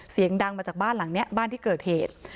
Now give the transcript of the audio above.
เสียงดังมาจากบ้านหลังนี้บ้านที่เกิดเหตุ